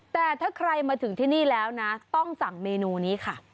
แต่ถ้าใครมาถึงที่นี่แล้วนะต้องสั่งเมนูนี้ค่ะ